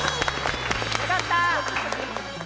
よかった！